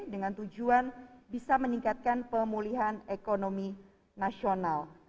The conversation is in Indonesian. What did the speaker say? dengan tujuan bisa meningkatkan pemulihan ekonomi nasional